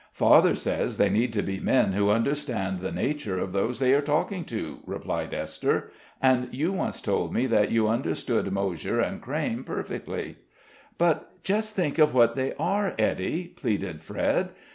"Father says they need to be men who understand the nature of those they are talking to," replied Esther; and you once told me that you understood Moshier and Crayme perfectly." "But just think of what they are, Ettie," pleaded Fred.